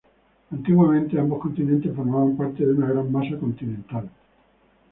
Antiguamente ambos continentes formaban parte de una gran masa continental.